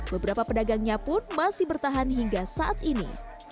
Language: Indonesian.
beberapa pedagangnya pun masih bertahan hingga saat ini